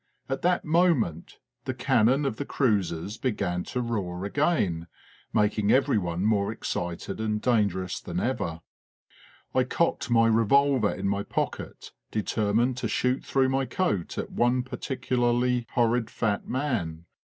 At that moment the cannon of the cruisers began to roar again, making everyone more excited and dangerous than ever. I cocked my revolver in my pocket de termined to shoot through my coat at one particularly horrid fat man.